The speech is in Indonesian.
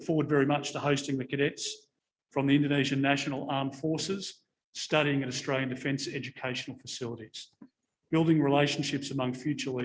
pemerintah australia mengaku siap menyambut kadet dari indonesia untuk menuntut ilmu dan membangun relasi